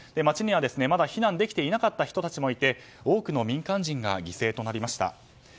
街にはまだ避難できていなかった人たちもいて多くの民間人が犠牲となりました。